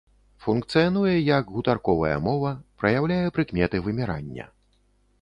Функцыянуе як гутарковая мова, праяўляе прыкметы вымірання.